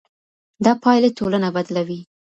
دا پايلې ټولنه بدلوي.